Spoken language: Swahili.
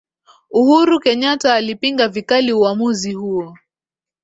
Uhuru kenyata alipinga vikali uamuzi huo